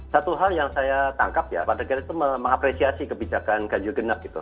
satu hal yang saya tangkap ya pada saat itu mengapresiasi kebijakan ganjil genap gitu